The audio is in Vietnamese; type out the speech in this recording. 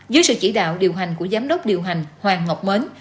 dưới sự chỉ đạo điều hành của giám đốc điều hành hoàng ngọc mến